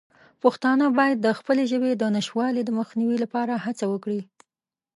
پښتانه باید د خپلې ژبې د نشتوالي د مخنیوي لپاره هڅه وکړي.